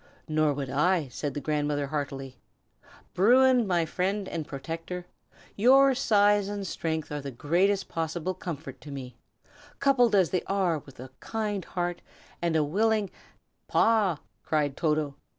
"Nor would I!" said the grandmother, heartily. "Bruin, my friend and protector, your size and strength are the greatest possible comfort to me, coupled as they are with a kind heart and a willing " "Paw!" cried Toto.